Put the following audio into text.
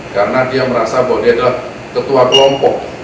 karena dia merasa bahwa dia adalah ketua kelompok